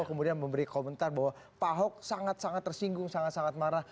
kemudian memberi komentar bahwa pak ahok sangat sangat tersinggung sangat sangat marah